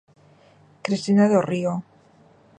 Cristina Dorrío.